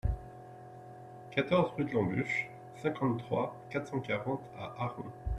quatorze rue de l'Embûche, cinquante-trois, quatre cent quarante à Aron